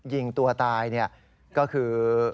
ยิงตัวตายก็คือ